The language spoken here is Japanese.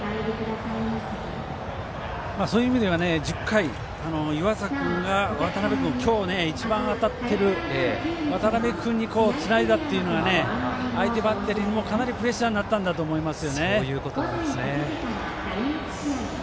そういう意味では１０回湯淺君が今日一番当たってる渡邊君につないだというのは相手バッテリーにはかなりプレッシャーになったんだと思いますね。